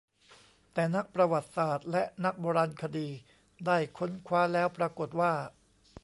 แต่นักประวัติศาสตร์และนักโบราณคดีได้ค้นคว้าแล้วปรากฏว่า